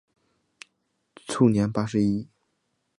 卒年八十一。